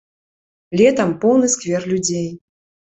Летам поўны сквер людзей.